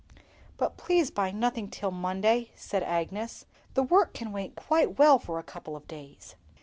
"But please buy nothing till Monday," said Agnes; "the work can wait quite well for a couple of days."